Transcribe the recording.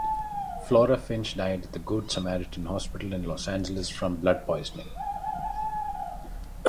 Flora Finch died at the Good Samaritan Hospital in Los Angeles from blood poisoning.